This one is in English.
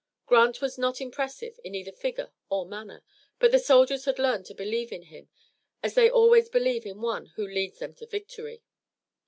Grant was not impressive in either figure or manner, but the soldiers had learned to believe in him as they always believe in one who leads them to victory.